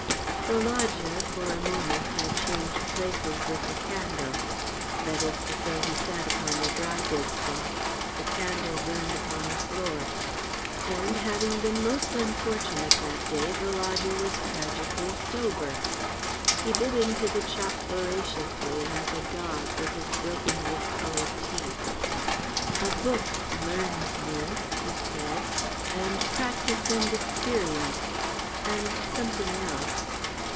The lodger, for a moment, had changed places with the candle. That is to say, he sat upon the dry goods box, the candle burned upon the floor. And, having been most unfortunate that day, the lodger was tragically sober. He bit into the chop voraciously, like a dog, with his broken, discoloured teeth. "A book 'learned' me," he said, "and practice and experience and something else."